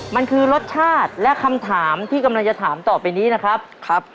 มันคือรสชาติและคำถามที่กำลังจะถามต่อไปนี้นะครับ